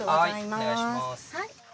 はいお願いします。